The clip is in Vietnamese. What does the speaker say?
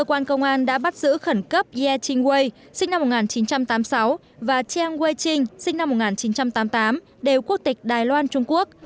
cơ quan công an đã bắt giữ khẩn cấp ye ching way sinh năm một nghìn chín trăm tám mươi sáu và chang way trinh sinh năm một nghìn chín trăm tám mươi tám đều quốc tịch đài loan trung quốc